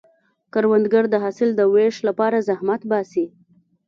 کروندګر د حاصل د ویش لپاره زحمت باسي